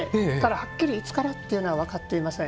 はっきりいつからというのは分かっていません。